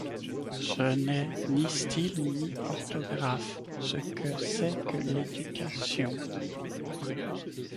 Je n'ai ni style, ni orthographe ce que c'est que l'éducation !